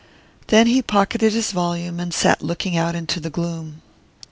Then he pocketed his volume and sat looking out into the gloom.